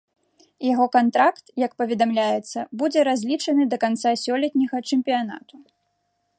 Яго кантракт, як паведамляецца, будзе разлічаны да канца сёлетняга чэмпіянату.